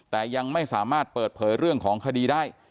แต่ยังไม่สามารถเปิดเผยเรื่องของคดีได้